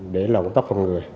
để lộn tóc một người